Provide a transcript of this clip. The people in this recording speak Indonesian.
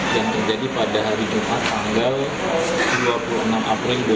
yang terjadi pada hari jumat tanggal dua puluh enam april